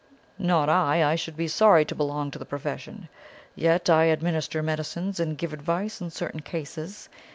'Not I! I should be sorry to belong to the profession. Yet I administer medicines and give advice in certain cases.